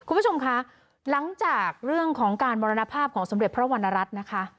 คุณผู้ชมคะหลังจากเรื่องของการมรณภาพของสมเด็จพระวรรณรัฐนะคะ